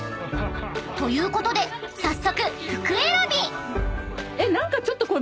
［ということで早速服選び］